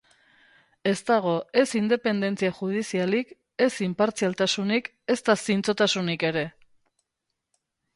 Ez dago ez independentzia judizialik, ez inpartzialtasunik, ezta zintzotasunik ere.